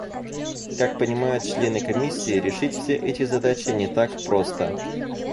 Как понимают члены Комиссии, решить все эти задачи не так просто.